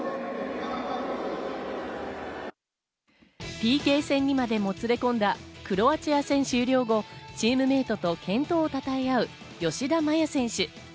ＰＫ戦にまでもつれ込んだクロアチア戦終了後、チームメイトと健闘をたたえあう、吉田麻也選手。